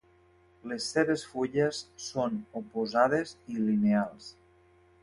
Les seves fulles són oposades i lineals.